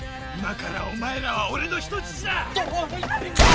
今からお前らは俺の人質だ。